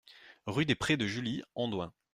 Rue des Prés de Julie, Andoins